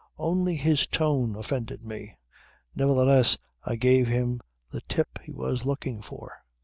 Only his tone offended me. Nevertheless I gave him the tip he was looking for.